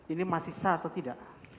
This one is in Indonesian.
ini masih sah atau tidak